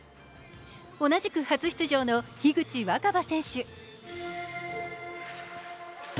同じく初出場の樋口新葉選手。